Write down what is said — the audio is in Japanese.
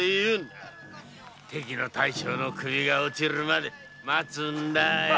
敵の大将の首が落ちるまで待つんだよ。